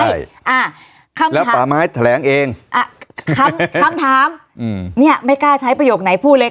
ใช่อ่าคำถามแล้วป่าไม้แถลงเองอ่ะคำคำถามอืมเนี้ยไม่กล้าใช้ประโยคไหนพูดเลย